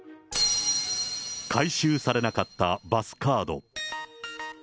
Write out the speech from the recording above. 回収されなかったバスカード。